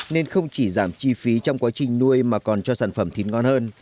nên không chỉ giảm chi phí trong quá trình nuôi mà còn cho sản phẩm thịt ngon hơn